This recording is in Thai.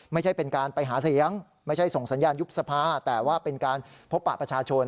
ไม่ใช่เป็นการไปหาเสียงไม่ใช่ส่งสัญญาณยุบสภาแต่ว่าเป็นการพบปะประชาชน